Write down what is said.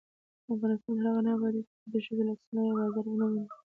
افغانستان تر هغو نه ابادیږي، ترڅو د ښځو لاسي صنایع بازار ونه مومي.